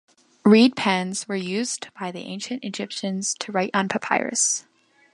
Reed pens were used by the ancient Egyptians to write on papyrus.